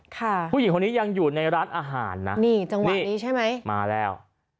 ผู้หญิงคนนี้ยังอยู่ในร้านอาหารนะนี่จังหวะนี้ใช่ไหมมาแล้ว